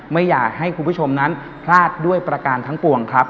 ไม่อยากให้คุณผู้ชมนั้นพลาดด้วยประการทั้งปวงครับ